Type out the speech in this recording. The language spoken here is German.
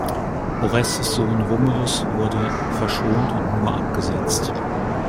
Orestes’ Sohn Romulus wurde verschont und nur abgesetzt.